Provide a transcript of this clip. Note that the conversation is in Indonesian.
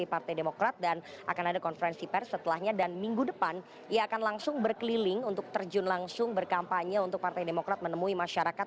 partai demokrat dan akan ada konferensi pers setelahnya dan minggu depan ia akan langsung berkeliling untuk terjun langsung berkampanye untuk partai demokrat menemui masyarakat